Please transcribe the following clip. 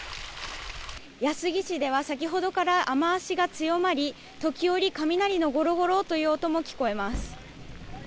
安来市では、先ほどから雨足が強まり、時折、雷のごろごろっという音も聞こえます。